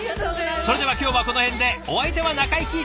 それでは今日はこの辺でお相手は中井貴一でした。